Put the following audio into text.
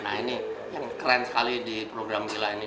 nah ini yang keren sekali di program gila ini